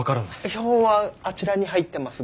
標本はあちらに入ってますが。